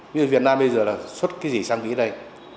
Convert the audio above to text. ví dụ việt nam bây giờ là xuất cái gì sang mỹ đây